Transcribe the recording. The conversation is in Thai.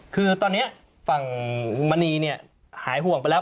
คือตอนนี้ฝั่งมณีเนี่ยหายห่วงไปแล้ว